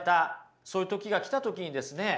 そういう時が来た時にですね